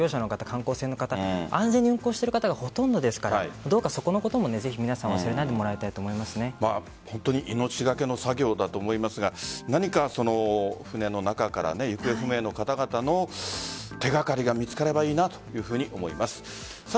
観光船の方安全に運航してる方がほとんどですからどうかそこの事も皆さん忘れないでもらいたいと命がけの作業だと思いますが何か船の中から行方不明の方々の手がかりが見つかればいいなというふうに思います。